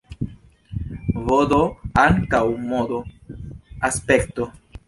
Vd ankaŭ modo, aspekto.